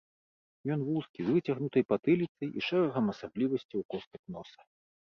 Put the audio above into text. Ён вузкі, з выцягнутай патыліцай і шэрагам асаблівасцяў костак носа.